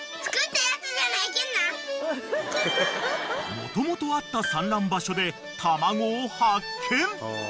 ［もともとあった産卵場所で卵を発見］